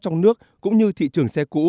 trong nước cũng như thị trường xe cũ